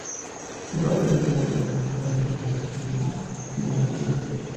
El papel intelectual de esas mujeres ha pasado casi inadvertido.